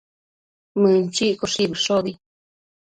Mënchiccoshi bëshobi